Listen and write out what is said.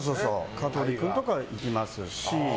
香取君とかは行きますし。